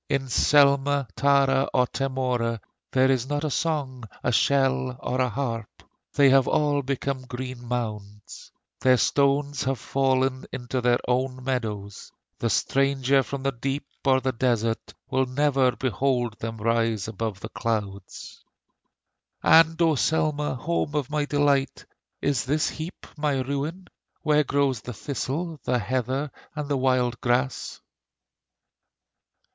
In Selma, Tara, or Temora There is not a song, a shell, or a harp; They have all become green mounds; Their stones have fallen into their own meadows; The stranger from the deep or the desert Will never behold them rise above the clouds. And O Selma! home of my delight, Is this heap my ruin, Where grows the thistle, the heather, and the wild grass?